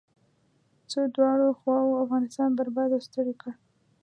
څو دواړو خواوو افغانستان برباد او ستړی کړ.